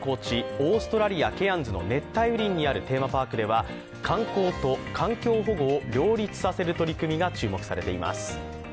オーストラリア・ケアンズの熱帯雨林にあるテーマパークでは観光と環境保護を両立させる取り組みが注目されています。